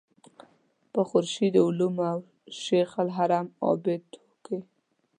په خورشید علوم او شیخ الحرم عابد کې.